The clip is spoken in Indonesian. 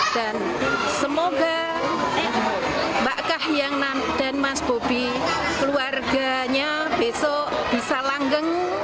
dan semoga mbak kahiyang dan mas bobi keluarganya besok bisa langgeng